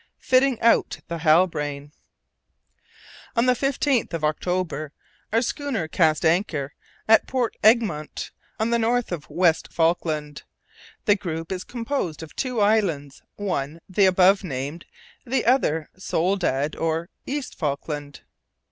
FITTING OUT THE HALBRANE. On the 15th of October, our schooner cast anchor in Port Egmont, on the north of West Falkland. The group is composed of two islands, one the above named, the other Soledad or East Falkland.